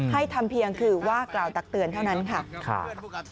ทำเพียงคือว่ากล่าวตักเตือนเท่านั้นค่ะ